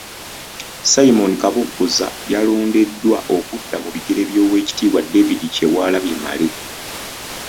Simon Kabogoza yalondeddwa okudda mu bigere by’Oweekitiibwa David Kyewalabye Male.